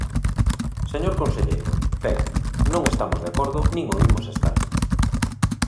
Señor conselleiro, ben, non estamos de acordo nin o imos estar.